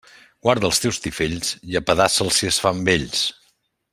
Guarda els teus tifells, i apedaça'ls si es fan vells.